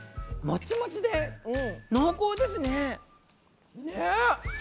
もちもちで濃厚ですね。ね！